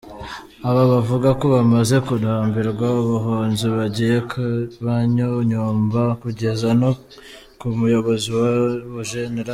Aba bavuga ko bamaze kurambirwa ubuhunzi, bagiye banyonyomba, kugeza no ku muyobozi wabo Gen.